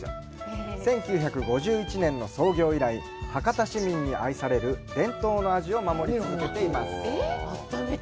１９５１年の創業以来、博多市民に愛される伝統の味を守り続けています。